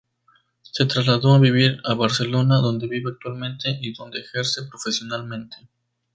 Se trasladó a vivir a Barcelona, donde vive actualmente y donde ejerce profesionalmente.